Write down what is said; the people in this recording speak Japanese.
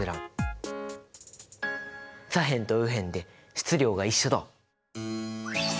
左辺と右辺で質量が一緒だ！